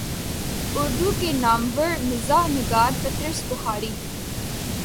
اردو کے نامور مزاح نگار پطرس بخاری